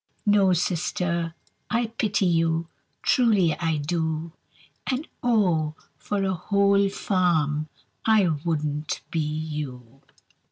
No sister! I pity you, Truly I do. And oh! for a whole farm I wouldn't be you.